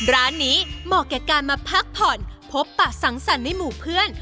ร้านนี้เหมาะแก่การมาพักผ่อนพบปะสังสรรค์ในหมู่เพื่อน